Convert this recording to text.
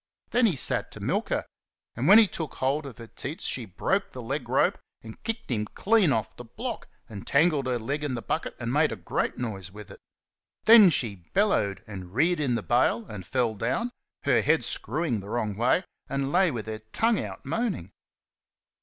Then he sat to milk her, and when he took hold of her teats she broke the leg rope and kicked him clean off the block and tangled her leg in the bucket and made a great noise with it. Then she bellowed and reared in the bail and fell down, her head screwed the wrong way, and lay with her tongue out moaning.